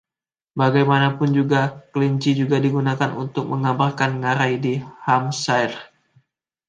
Bagaimanapun juga, 'kelinci' juga digunakan untuk menggambarkan ngarai di Hampshire.